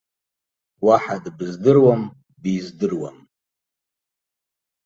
Уаҳа дбыздыруам, биздыруам.